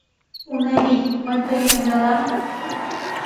— Унавий, мый тыйым ӧндалам?